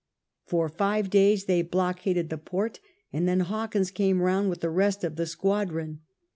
For five days they blockaded the port, and then Hawkins came round with the rest of the squadron.